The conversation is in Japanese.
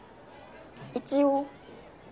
一応。